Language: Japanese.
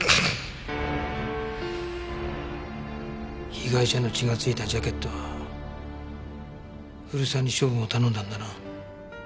被害者の血が付いたジャケットは古沢に処分を頼んだんだな？